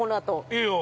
◆いいよ。